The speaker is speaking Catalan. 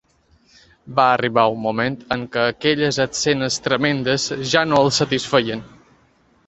Va arribar un moment en què aquelles escenes tremendes ja no el satisfeien.